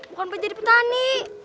bukan yang jadi petani